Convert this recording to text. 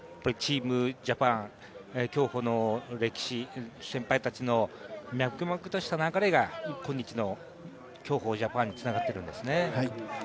チームジャパン、競歩の歴史、先輩たちの先輩たちの脈々とした流れが今日の強豪ジャパンにつながっているんですね。